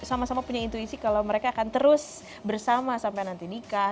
sama sama punya intuisi kalau mereka akan terus bersama sampai nanti nikah